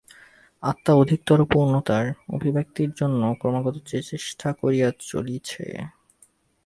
আত্মা অধিকতর পূর্ণতার অভিব্যক্তির জন্য ক্রমাগত চেষ্টা করিয়া চলিয়াছে।